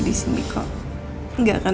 di sini kok nggak akan